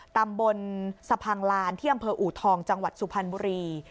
ตำบลสะพังลานที่อำเภออูทองจังหวัดสุพรรณบุรี